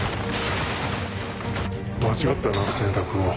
間違ったな選択を。